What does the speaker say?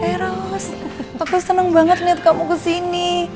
hei ros aku seneng banget liat kamu kesini